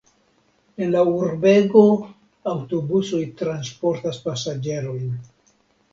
En la urbego aŭtobusoj transportas pasaĝerojn.